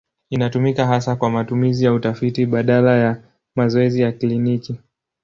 Inatumika hasa kwa matumizi ya utafiti badala ya mazoezi ya kliniki.